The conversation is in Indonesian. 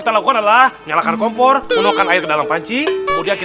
itu bukan manasin badan pak ustadz